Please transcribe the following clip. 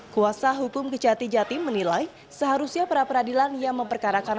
kuasa hukum kejati jatim menilai seharusnya pra peradilan yang memperkarakan